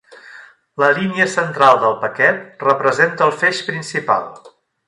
La línia central del paquet representa el feix principal.